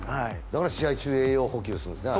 だから試合中栄養補給するんですね。